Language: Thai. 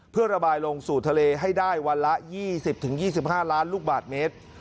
เพื่อระบายลงสู่ทะเลให้ได้วันละ๒๐๒๕ล้านลูกบาทเมตร